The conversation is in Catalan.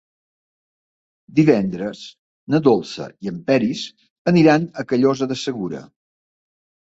Divendres na Dolça i en Peris aniran a Callosa de Segura.